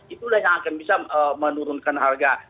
itulah yang akan bisa menurunkan harga